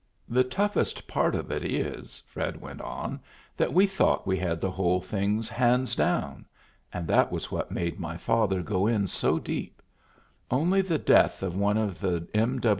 "The toughest part of it is," Fred went on, "that we thought we had the whole thing 'hands down,' and that was what made my father go in so deep. Only the death of one of the M.